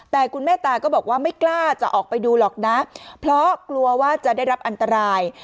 แต่คุณแม่ตาก็บอกว่าไม่กล้าจะออกไปดูหรอกนะเพราะกลัวว่าจะได้รับอันตราย